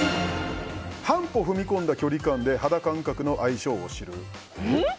半歩踏み込んだ距離感で肌感覚の相性を知る。